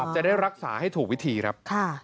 จะได้รักษาให้ถูกวิธีครับ